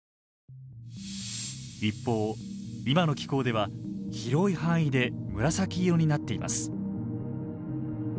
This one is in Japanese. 一方今の気候では広い範囲で紫色になっています。